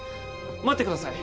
待ってください